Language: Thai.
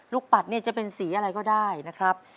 ปัดเนี่ยจะเป็นสีอะไรก็ได้นะครับ